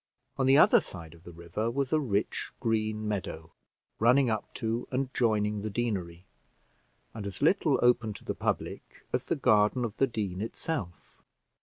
On the other side of the river was a rich, green meadow, running up to and joining the deanery, and as little open to the public as the garden of the dean itself.